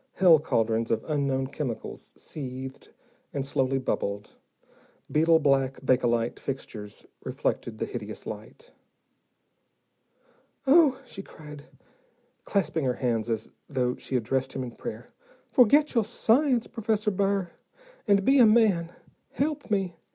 Hell cauldrons of unknown chemicals seethed and slowly bubbled, beetle black bakelite fixtures reflected the hideous light. "Oh," she cried, clasping her hands as though she addressed him in prayer, "forget your science, Professor Burr, and be a man. Help me.